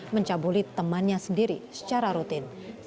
mencabuli temannya sendiri secara rutin